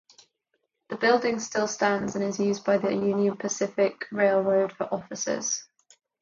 The building still stands and is used by the Union Pacific Railroad for offices.